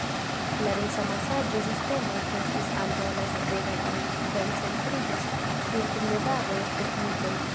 La rusa masaĝo-sistemo ekestis antaŭ la sveda kaj koncentriĝas sur knedado-teknikoj.